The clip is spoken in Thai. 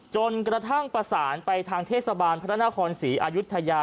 จนกระทั่งประสานไปทางเทศบาลพระนครศรีอายุทยา